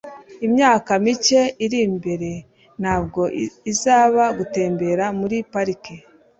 Imyaka mike iri imbere ntabwo izaba gutembera muri parike.